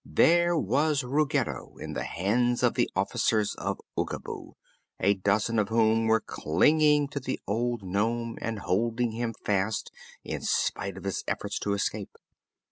There was Ruggedo in the hands of the officers of Oogaboo, a dozen of whom were clinging to the old nome and holding him fast in spite of his efforts to escape.